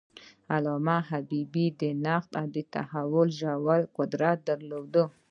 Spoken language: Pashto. علامه حبیبي د نقد او تحلیل ژور قدرت درلود.